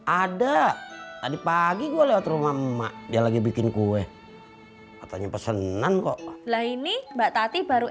ada tadi pagi gue lewat rumah emak dia lagi bikin kue katanya pesanan kok nah ini mbak tati baru